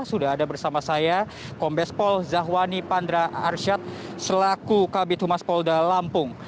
sudah ada bersama saya kombes pol zahwani pandra arsyad selaku kabit humas polda lampung